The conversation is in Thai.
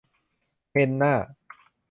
เฮนน่า